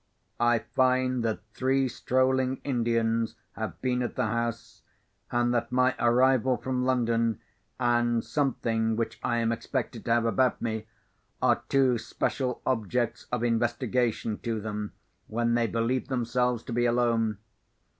I find that three strolling Indians have been at the house, and that my arrival from London, and something which I am expected to have about me, are two special objects of investigation to them when they believe themselves to be alone.